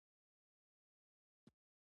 د کښت لپاره مناسب تخمونو او اوبو ته اړتیا وي.